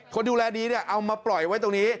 คนดูแลดีเนี่ยเอามาปล่อยไว้ตรงนี้